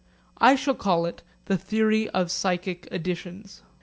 I shall call it the theory of psychic additions.